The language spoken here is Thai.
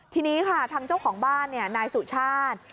ทีนี้ค่ะทางเจ้าของบ้านนายสุชาติ